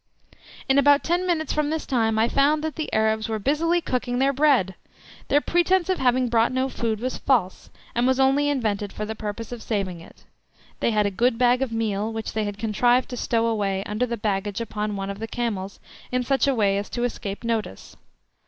In about ten minutes from this time I found that the Arabs were busily cooking their bread! Their pretence of having brought no food was false, and was only invented for the purpose of saving it. They had a good bag of meal, which they had contrived to stow away under the baggage upon one of the camels in such a way as to escape notice.